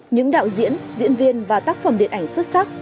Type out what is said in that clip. những đạo diễn diễn viên và tác phẩm điện ảnh xuất sắc